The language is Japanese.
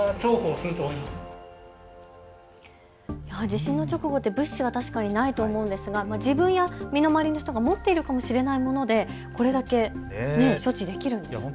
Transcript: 地震の直後って物資が確かにないと思うんですが、自分や身の回りの人が持っているかもしれないもので、これだけ処置できるんですね。